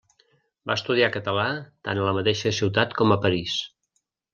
Va estudiar català tant a la mateixa ciutat com a París.